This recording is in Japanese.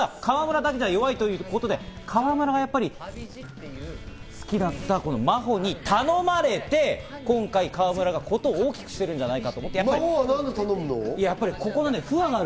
それだけじゃ弱いということで河村が好きだった真帆に頼まれて、今回、河村が事を大きくしてるんじゃないか。